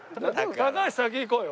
高橋先行こうよ。